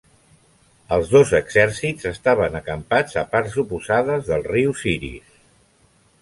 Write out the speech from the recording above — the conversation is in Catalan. Els dos exèrcits estaven acampats a parts oposades del riu Siris.